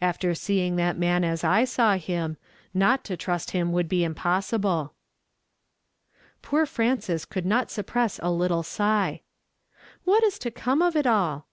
After seeing that man as I saw him, not to trust him would be impossible." Poor Frances could not suppress a little sigh. " What is to come of it all